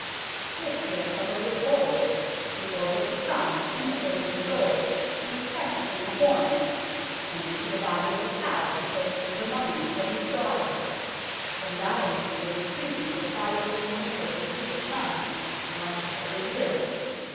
144 UNKNOWN LONDON This he had covered with gold, the orb of the Sun imitated in gold being set between the horns, and into the body of the cow he placed the mummy of his daughter. When dying she had entreated her father to permit her to see the sun once every year.